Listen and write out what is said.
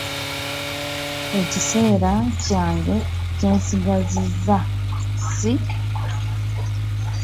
Ekiseera kyange kyensigazizza k nsi .